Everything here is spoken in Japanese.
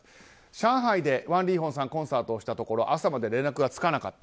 上海でワン・リーホンコンサートをしたところ朝まで連絡がつかなかった。